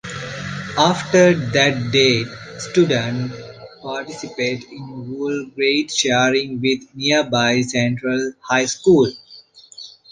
After that date, student participated in whole-grade sharing with nearby Sentral High School.